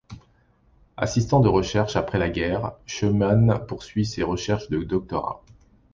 Assistant de recherche après guerre, Scheumann poursuit ses recherches de doctorat.